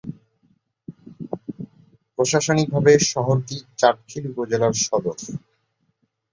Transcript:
প্রশাসনিকভাবে শহরটি চাটখিল উপজেলার সদর।